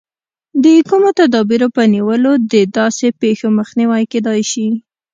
د کومو تدابیرو په نیولو د داسې پېښو مخنیوی کېدای شي.